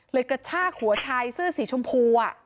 กระชากหัวชายเสื้อสีชมพู